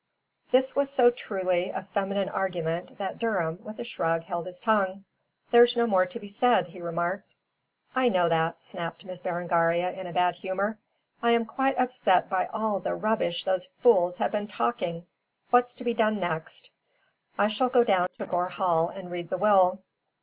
This was so truly a feminine argument that Durham, with a shrug, held his tongue. "There's no more to be said," he remarked. "I know that," snapped Miss Berengaria in a bad humor. "I am quite upset by all the rubbish those fools have been talking. What's to be done next?" "I shall go down to Gore Hall and read the will."